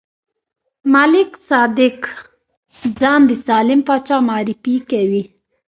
ملک صادق ځان د سالم پاچا معرفي کوي.